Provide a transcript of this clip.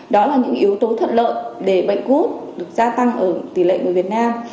đó là những yếu tố thật lợi để bệnh gút được gia tăng ở tỷ lệ người việt nam